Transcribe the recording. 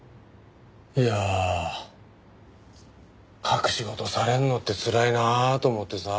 いや隠し事されるのってつらいなあと思ってさ。